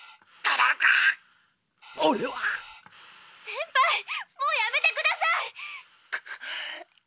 センパイもうやめてください！